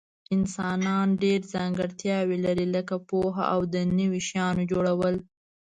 انسانان ډیر ځانګړتیاوي لري لکه پوهه او د نوي شیانو جوړول